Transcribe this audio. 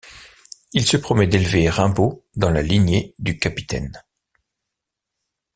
Il se promet d'élever Rimbaud dans la lignée du capitaine.